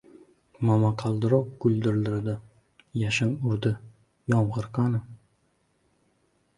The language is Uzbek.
• Momaqaldiroq guldiradi, yashin urdi, yomg‘ir qani?